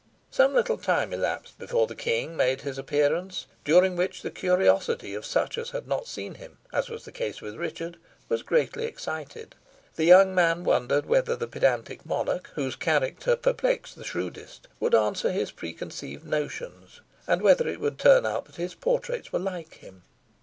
Some little time elapsed before the King made his appearance, during which the curiosity of such as had not seen him, as was the case with Richard, was greatly excited. The young man wondered whether the pedantic monarch, whose character perplexed the shrewdest, would answer his preconceived notions, and whether it would turn out that his portraits were like him.